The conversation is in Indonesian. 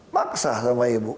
maksa sama ibu